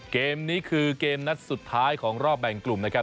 เกมนี้คือเกมนัดสุดท้ายของรอบแบ่งกลุ่มนะครับ